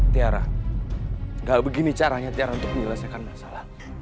tiara gak begini caranya tiara untuk menyelesaikan masalah